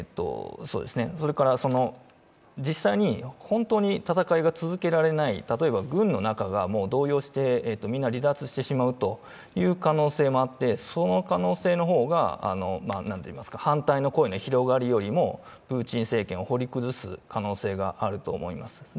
それから、実際に本当に戦いが続けられない、例えば軍の中が、もう動揺してみんな離脱してしまうという可能性もあって、その可能性の方が反対の声の広がりよりもプーチン政権を掘り崩す可能性があると思います。